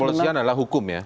dan kepolisian adalah hukum ya